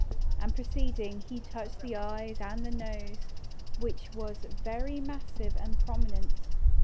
And proceeding, he touched the eyes and the nose, which was very massive and prominent.